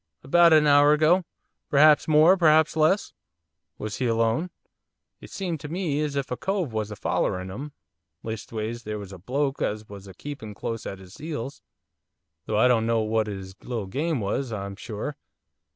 'About a hour ago, perhaps more, perhaps less.' 'Was he alone?' 'It seemed to me as if a cove was a follerin' 'im, leastways there was a bloke as was a keepin' close at 'is 'eels, though I don't know what 'is little game was, I'm sure.